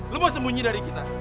lu mau sembunyi dari kita